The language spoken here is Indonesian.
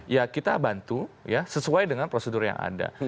ya kita bantu ya sesuai dengan prosedur yang ada